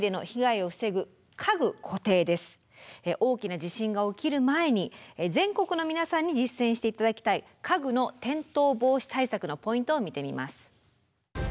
大きな地震が起きる前に全国の皆さんに実践して頂きたい家具の転倒防止対策のポイントを見てみます。